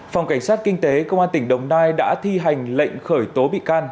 phòng cảnh sát kinh tế công an tỉnh đồng nai đã thi hành lệnh khởi tố bị can